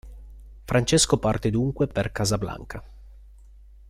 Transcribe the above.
Francesco parte dunque per Casablanca.